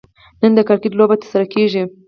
نن د کرکټ لوبه ترسره کیږي